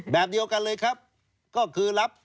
แบบเดียวกันเลยครับก็คือรับ